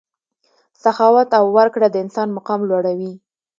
سخاوت او ورکړه د انسان مقام لوړوي.